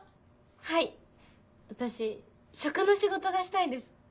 はい私食の仕事がしたいです。